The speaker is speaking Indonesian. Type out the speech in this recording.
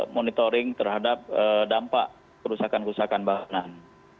monitoring terhadap dampak kerusakan kerusakan bangunan